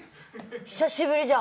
久しぶりじゃん。